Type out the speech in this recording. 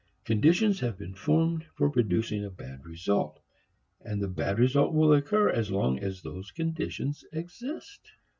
Conditions have been formed for producing a bad result, and the bad result will occur as long as those conditions exist.